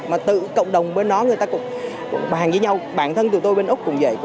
mà tự cộng đồng bên đó người ta cũng bàn với nhau bản thân tụi tôi bên úc cũng vậy